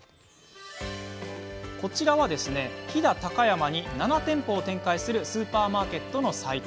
こちらは、飛騨高山に７店舗を展開するスーパーマーケットのサイト。